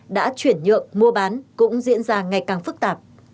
đã chuyển nhượng mua bán cũng diễn ra ngày càng phức tạp